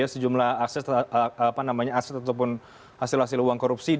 sejumlah akses ataupun hasil hasil uang korupsi